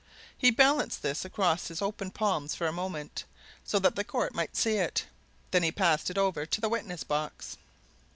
He balanced this across his open palms for a moment, so that the court might see it then he passed it over to the witness box.